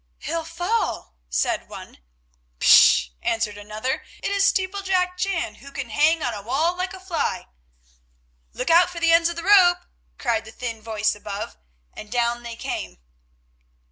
"He'll fall," said one. "Pish!" answered another, "it is steeplejack Jan, who can hang on a wall like a fly." "Look out for the ends of the rope," cried the thin voice above, and down they came.